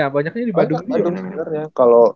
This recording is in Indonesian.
banyaknya di badung juga